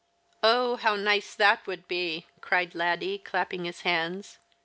" Oh, how nice that woukl be !" cried Laddie, clapping his hands.